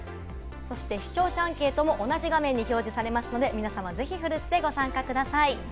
視聴者アンケートも同じ画面に表示されますので、奮ってご参加ください。